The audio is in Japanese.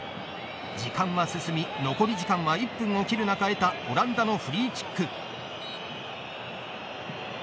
時間は進み残り時間は１分を切る中得たオランダのフリーキック。